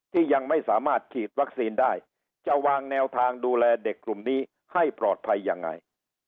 ยังไม่สามารถฉีดวัคซีนได้จะวางแนวทางดูแลเด็กกลุ่มนี้ให้ปลอดภัยยังไง